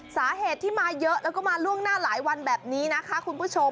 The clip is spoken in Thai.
สาเหตุที่มาเยอะแล้วก็มาล่วงหน้าหลายวันแบบนี้นะคะคุณผู้ชม